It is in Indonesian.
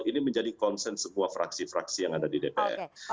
ini menjadi concern semua fraksi fraksi yang ada di dpr